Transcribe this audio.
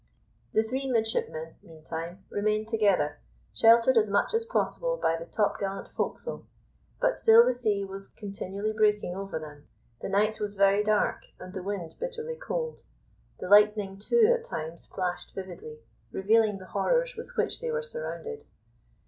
The three midshipmen, meantime, remained together, sheltered as much as possible by the topgallant forecastle, but still the sea was continually breaking over them. The night was very dark, and the wind bitterly cold; the lightning too at times flashed vividly, revealing the horrors with which they were surrounded.